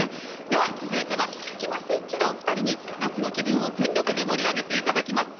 では続いてはスキマスイッチのお二人に夏の気分を全力で盛り上げて頂きます。